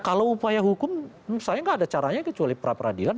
kalau upaya hukum saya tidak ada caranya kecuali peradilan